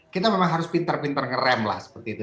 kita memang harus pintar pintar ngerem lah seperti itu